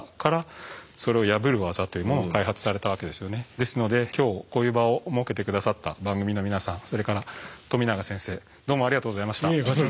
ですので今日こういう場を設けて下さった番組の皆さんそれから冨永先生どうもありがとうございました。